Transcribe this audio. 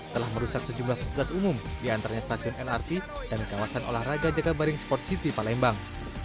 telah merusak sejumlah fasilitas umum di antaranya stasiun lrt dan kawasan olahraga jakabaring sport city palembang